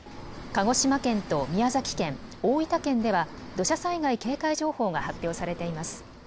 鹿児島県と宮崎県、大分県では、土砂災害警戒情報が発表されています。